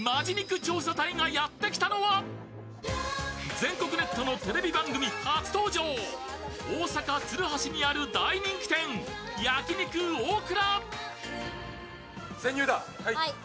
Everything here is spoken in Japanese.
全国ネットのテレビ番組初登場大阪・鶴橋にある大人気店、焼肉大倉。